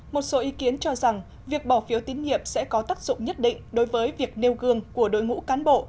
một số ý kiến cho rằng việc bỏ phiếu tín nhiệm sẽ có tác dụng nhất định đối với việc nêu gương của đội ngũ cán bộ